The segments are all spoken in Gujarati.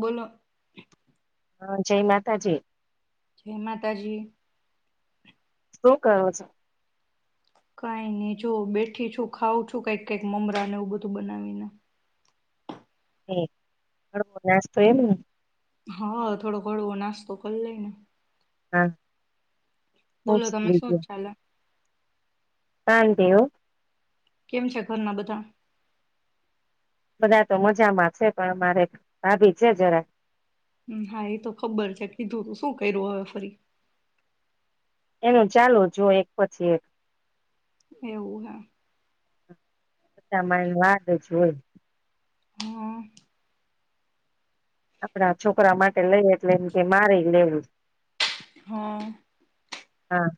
બોલો? હા, જય માતાજી. જય માતાજી. શું કરો છે? કઈ નઈ, જો બેઠી છું, ખાવં છું, કઈક કઈક મમરાને એવું બધું બનાવીને. [inaudible] નાસ્તો એમ ને? હા, થોડો હળવો નાસ્તો કરલઈને. હા હું જ બોલો તમે, શું લીધો ચાલે? શાંતિ હો. કેમ છે ઘરના બધા? બધા તો મજામાં છે. પણ મારે ભાભી છે જરાક. હા, એ તો ખબર છે. કીધું તું, શું કર્યું હવે ફરી? એનું ચાલુજ હોય એક પછી એક. એવું હા બધામાં એ વાત જ હોય. હા. આપણા છોકરા માટે લઈએ, એટલે એમ કે મારેય લેવું. હા હા,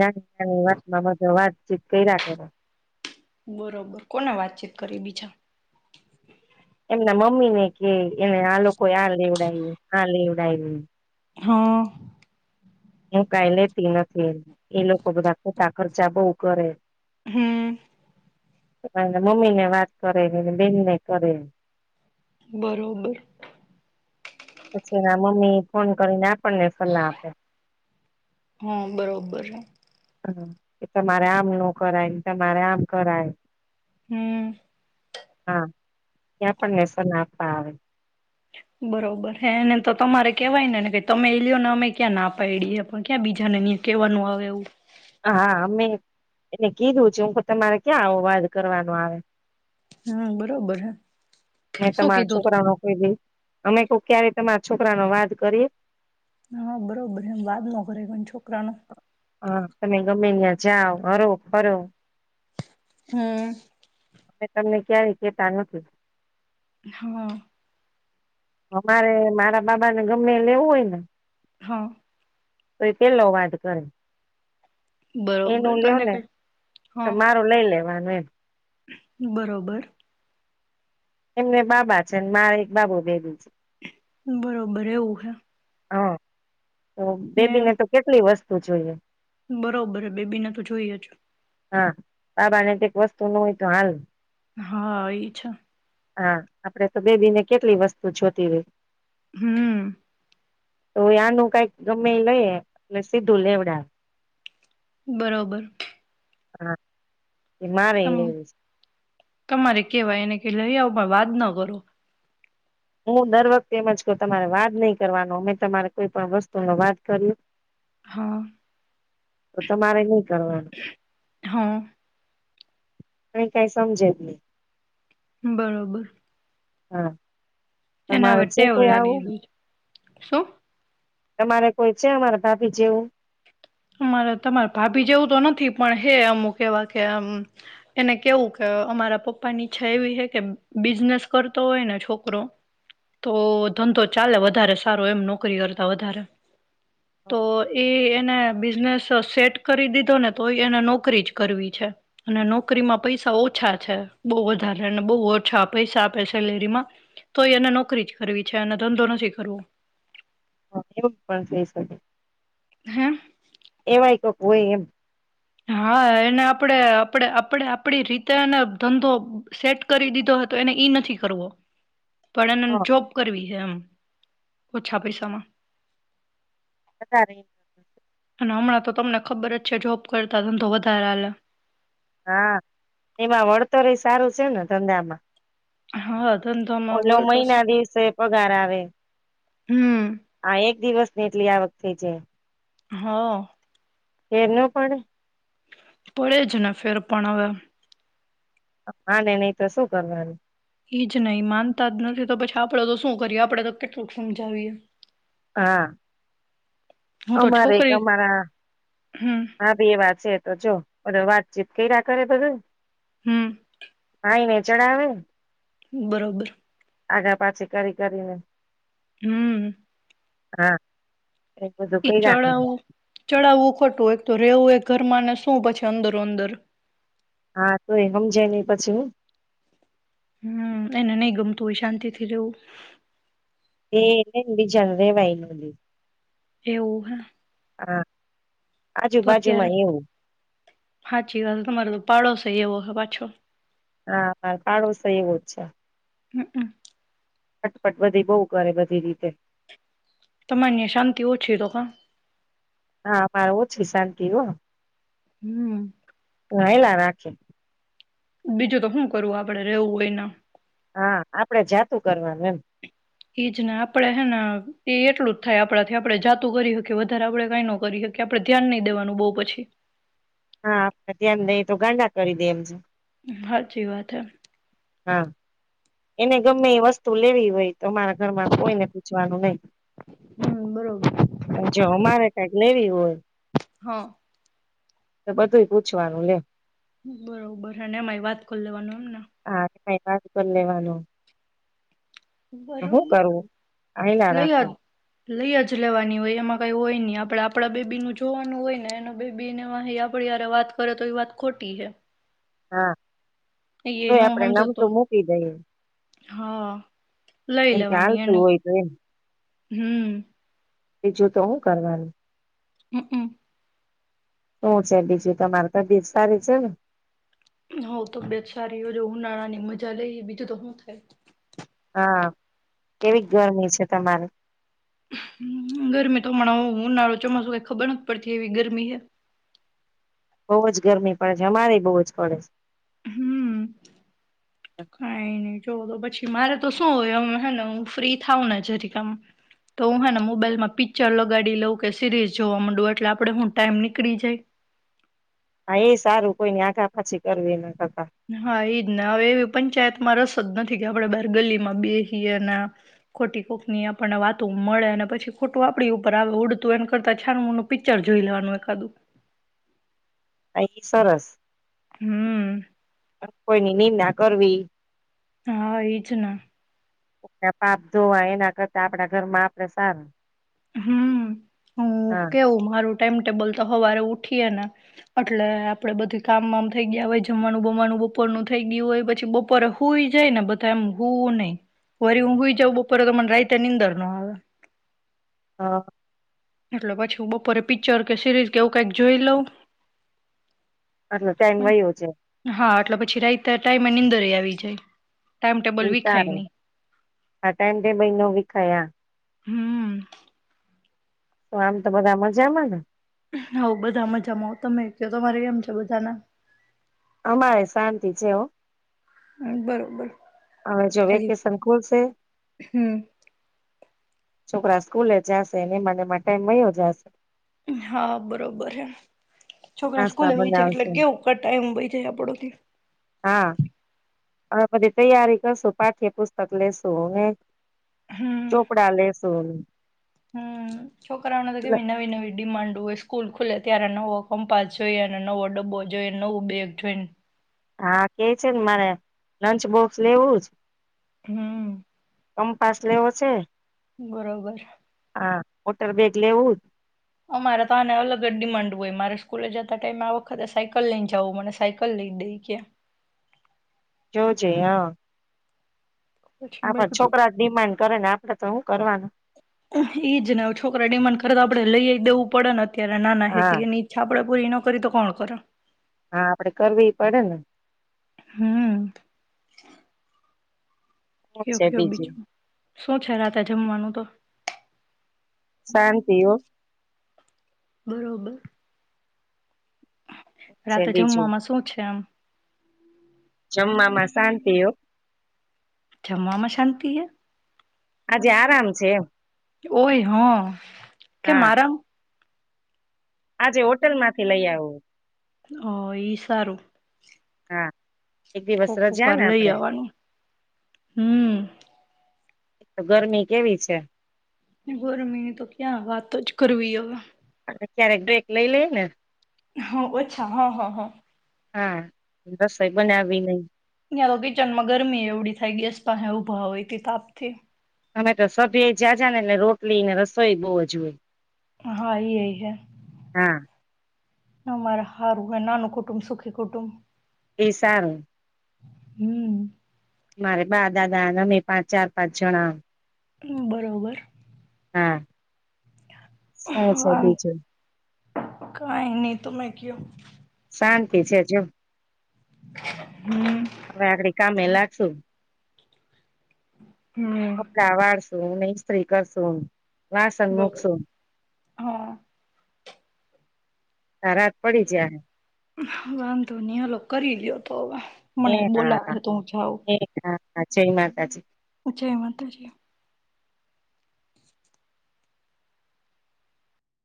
નાની, નાની વાતમાં બધી વાતચીત કરીયા કરે. બરોબર કોને વાતચીત કરે? બીજા, એમના મમ્મી ને કે. એને આ લોકો આ લેવ. હા, આ લેવડાઈવું હા હું કાંઈ લેતી નથી. એ લોકો બધા ખોટા ખર્ચા બવ કરે હ. મમ્મી ને વાત કરે, બેનને કરે બરોબર પછી એના મમ્મી ફોન કરીને આપ હા બરોબર. એ તમારે આમ ન કરાય, તમારે આમ કરાય હમ હા ત્યાં પણ નેસ ન આપવા આવે. બરોબર હેને તો તમારે કેવાય ને ને તમે એ લ્યો ને, અમે ક્યાં ના પાડી એમ પણ ક્યાં બીજાને કેવાનું આવે એવું હા અમે એને કીધું છે હું તમારે ક્યાં આવો વાદ કરવાનો આવે. હમ બરોબર હે મે શું તમારા કીધું તું છોકરા નો કરી દઈ અમે કો ક્યારે તમારા છોકરા નો વાદ કરીએે હા બરોબર એમ વાદ ન કરે! કોઈ છોકરા નો હા તમે ગમે ન્યા જાવ હરો ફરો હમ અમે તમને ક્યારે કહેતા નથી. હુ અમારે મારા બાબાને ગમે ઇ લેવું હોય ને હા તોઈ પેલો વાદ કરે બરોબર એનું તો લેવ એને ને કઈ તો, હા મારું લઈ લેવાનું હમ બરોબર. એમને બાબા છે ને, મારે એક બાબો બેબી છે બરોબર એવું હે. અ. તો બેબી ને તો કેટલી વસ્ તો જોઈએ બરોબર બેબી ના તો જોઈએ જ. હા બાબાને કઇંક વસ્તુ ન હોય તો હાલે. હા ઇ છે હા આપડે તો બેબીને કેટલી વસ્તુ જોતી હોય હુ તો આનું કઈક ગમે લઈએ એટલે સીધું લેવડાવે બરોબર. હા. એ મારે તમ લેવું તમારે કેવાય એને કય લયાવ પણ વાદ ન કરું. હું દર વખતે એમજ કવ તમારે વાદ નહી કરવાનો, અમે તમારે કોઈ પણ વસ્તુ ન વાદ કર્યો. હા તો તમારે ન કરવાનું હા એ કઈ સમજે જે નહિ. બરોબર. હા. એને તમારે હવે જે ટેવ કોઈ લાગી આવું. ગઈ છે. શું. તમારે કોઈ છે અમારા ભાભી જેવું. અમારે તમારે ભાભી જેવું તો નથી પણ હે અમુક કેવા કેમ એને કેવું કે અમારા પપ્પા ની ઈચ્છા એવી હે કે બિઝનેસ કરતો હોય ને છોકરો તો ધંધો ચાલે વધારે સારો એમ નોકરી કરતા વધારે તો એ એને બિઝનેસ સેટ કરી દીધો ને તોય એને નોકરી જ કરવી છે અને નોકરીમાં પૈસા ઓછા છે બહુ વધારે બહુ ઓછા પૈસા આપે સેલેરીમાં તોય એને નોકરી જ કરવી છે અને ધંધો નથી કરવું. એવું પણ થઈ શકે હે એવાય કોક હોઈ એમ હા એને આપણેે આપણે આપણે આપડી રીતે એને ધંધો સેટ કરી દીધો હતો એને ઈ નથી કરવો. પડેને હ જોબ કરવી છે એમ. ઓછા પૈસામાં. વધારે અને હમણાં તો તમને ખબર જ છે જોબ કરતા ધંધો વધારે હાલે હા એમાં વળતર સારું છે ને ધંધામાં. હા. ધંધામાં બહુ ઓલો મહિના સસ્તું દિવસે પગાર આવે હમ આ એક. દિવસ ની એટલી આવ વકત થઈ છે. હા. એનું પણ. પડે જ ને ફેર પણ હવે. હા ને નહી તો શું કરવાનું. એજ નહીિ માનતા જ નથી તો પછી આપડે તો શું કરીએ આપડે તો કેટલુંક હમજાવીએ. હા. હું તો અમારે એક છોકરી અમારા. હમ હા ભી એ વાત છે તો જો બધા વાત. ચીપકાઈ રાકારે બગ [unintelligible] હમ. આઇ ને ચડાવે બરોબર. આઘા પાછી કરી કરીને. હમ. હા. બધું એ કર્યા કરે ચડાવું ચડાવું ખોટું હોય તો રેવું એ ઘરમાં ને શું પછી અંદરો અંદર. હા તો એ હમજે નહીં પછી હું. હમ એને નહી ગમતું હોય શાંતિથી રહેવું. એ [unintelligible] એવુ હ. હા. તો અત્યારે, આજુબાજુમાં એવું હાચી વાત તમારો તો પાડોશ એવો. હવા છો. હા, પાડોસ એવો જ છે. હમ હમ. ફટપટ બધી બહુ કરે બધી રીતે. તમને શાંતિ ઓછી તો ક. હા અમારે ઓછી શાંતિ હો. હમ્મ હાયલા રાખ બીજું તો હું કરવું આપડે રેવું હોયના. હા, આપડે જાતું કરવાનું એમ. એજ ને, આપડે હેને એ એટલું જ થાય આપણાથી આપણે જાતું કરી હકીએ, વધારે આપણેે કઈ ન કરી હકીએ, આપડે ધ્યાન નઈ દેવાનું બવ પછી. હા, આપડ ધ્યાન દઈ તો ગાંડા કરી દે એમ છે. હાચી વાત હ. હા, એને ગમે એ વસ્તુ લેવી હોય. તમારા ઘરમાં કોઈને પૂછવાનું નહી, હમ બરોબર પણ જો અમારે કઈક લેવી હોય. હા. તો બધુંય પૂછવાનું લે. બરોબર અને એમાંય વાત કર લેવાનું. એમને હા. એ ય વાત કરી લેવાનો. તો હું બરોબર. કરવું, હાઈલા રાખે. લઈય જ લેવાની હોય, એમાં કઈ હોય નહી આપડે આપડા બેબી નું જોવાનું હોય, ને એના બેબીને વાહે એ આપડી હારે વાત કરે તો એ વાત ખોટી છે. હા. ઈ એય ન તોય આપડે સમજોતો, નમતું મૂકી દઈએ હા લઈ એમ કે લેવાની હાલતું એને, હોય તો એમ હમ્મ. બીજું તો હું કરવાનું. હ હમ્મ. હું છે બીજું તમારે તબિયત સારી છે ને. હવ તબીયત સારી એજ ઉનાળા ની મજા લઈએ બીજું તો હું થાય. હા, એવી ગરમી છે તમારે. ગરમી તો હમણાં ઉનાળો, ચોમાસું, કઈ ખબર નથ પડતી એવી ગરમી હે. બહુ જ ગરમી પડે છે, અમારે બહુ જ પડે છે. ખાય ને જોવો તો પછી. મારે તો શું હોય હમણાં હેને હું ફ્રી થાઉ ને જરી કામ તો હું હેને મોબાઈલમાં પિક્ચર લગાડી લઉં કે સિરીઝ જોવા મંડુ એટલે આપડે હું ટાઈમ નીકળી જાય. હા, એ સારું કોઈ ની આગા પાછી કરવી નઈ. હા, એજ ન હવે એ પંચાયતમાં રસ નથી કે આપણે બાર ગલીમાં બેસીએ ને અને ખોટી કોકની આપણને વાતો મળે અને પછી ખોટું આપણી ઉપર આવે ઉડતું એન કરતા છાન મોનું પિક્ચર જોઈ લેવાનું એકાદું હા સરસ. હમ. કોઈની નિંદા કરવી. હા, એજ ન. કોક ના પાપ ધોવા એના કરતા આપણા ઘર માં આપડે સારું. હમ, હું હા કેવું મારું. ટાઈમ ટેબલ તો સવારે ઉઠીએ ને એટલે આપણે બઘી કામ વામ થઈ ગયા હોય. જમવાનું બમવાનું બપોરનું થઈ ગયું હોય. પછી બપોરે હુઈ જાય ને બધા એમ હુ હુઈ નહી વરી હું ઊંઘી જાવ બપોરે તો મને રાઈતે નીંદર નો આવે હા. એટલે પછી હું બપોરે પિક્ચર કે સિરીઝ કે એવું કઈક જોઈ લઉં. અટલ ટાઈમ વયો જાઈ હા એટલે પછી રાયત ના ટાઈમે નીંદર એ આવી જાય. ટાઈમ ટેબલ એ વિખાય સારું નહી આ ટાઈમ બે મહીનો બી ખાયા. હમ. તો આમ તો બધા મજામાં ને. હવ બધા મજામાં. તમે ક તમારે એમ છે બધાના. અમારે શાંતિ છે હો હ બરોબર. હવે જો ખાલી વેકેશન ખુલશે. હમ છોકરા સ્કૂલે જાશેને એમાંને માંટે મળયો જશે. હા બરોબર હ છોકરા સ્કૂલ નાસ્તા ની જાય એટલે બનાવશું કેવું ક ટાઈમ બઈ જાય આપડો. હા હવે બધી તૈયારી કરશુ પાઠ્યપુસ્તક લેેશુ ને. હમ ચોપડા લે શુ હમ! છોકરાઓના દ કેવી નાવી નાવીડીમાંડ હોય કુલ ખુલે ત્યારે નવો કમ્પાસ જોઈએ, અને નવો ડબ્બો જોઈ નવું બેગ જોઈને. હા કે છે ને મારે લંચ બોક્સ લેવું જ. હમ. કમપાસ લેવો છે. બરોબર. હા વોટર બેેગ લેવું. અમારે તો આને અલગ જ ડિમાન્ડ હોય મારે સ્કૂલે જતા ટાઈમે આ વખતે સાયકલ લઈ જવું મને સાયકલ લઈ દઈ કે. જયોજે હ પછી મેં કીધું ડિમાન્ડ કરે ને આપડે તો શું કરવાનું ઈજ ને હવે છોકરા ડીમાન કરે તો આપડે લઈ જ દેવું પડ નથ. અત્યારે નાના હે તો હા એની ઈછા [unintelligible] પૂરી ન કરી તો કોણ કર. હા આપડે કરવી પડે ને. હમ. શું કેવ છે કેવ બીજું બીચમાં સોચ રાહતા જમવાનું તો શાંતિઓ. બરોબર. છે રાતે બીજું જમવામાં શું છે એમ. જમવામાં શાંતિ હો અચ્છા મામાં શાંતિ હૈ. આજે આરામ છે. ઓય હ. કે હા મારા આજે હોટેલ માંથી લઈ આવું. અ, ઈ સારું. હા. એક દિવસ કોક કોક રજા વાર ને લઈ આપડે આવવાનું. હમ્મ. તો ગરમી કેવી છે. ગરમીની તો ક્યાં વાત જ કરવીઓ તો ક્યારેક બ્રેક લઈ લઈ ને. હા ઓછા હા હા હા. હા રસોઈ બનાવી નઈ. [unintelligible] કિચનમાં ગરમી એવડી થઈ ગેસ પાહે ઊભા હોય કે તાપથી. અમે તો સભ્ય જાજાને ને એલે રોટલી ને રસોઈ બો જુવે. હા [unintelligible] અમારા હારું હ નાનું કુટુંબ સુખી કુટુંબ. એ સારું. હમ્મ. મારે બા દાદા અને અમે પાંચ ચાર પાંચ જણા. બરોબર. હા. [unintelligible] આમ બીજો. કઈ ની તમે કયો? શાંતિ છે, જો. [inaudible] હવે આગડી કામે લાગે. [inaudible] [inaudible] કપડા [unintelligible] સો નહી સ્ત્રીકર સોન [unintelligible] વાસણ મુકશુ. બરોબર હા ત રાત પડી જાય. [unintelligible] વાંધો નહી હાલ કરી લ્યો તો હવે હે મને હા બોલાવે હા તો હું જાઉ. એ હા હા જય માતાજી. જય માતાજી.